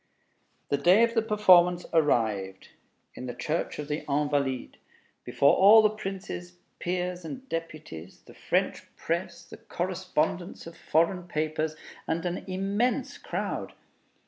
The day of the performance arrived, in the Church of the Invalides, before all the princes, peers, and deputies, the French press, the correspondents of foreign papers, and an immense crowd.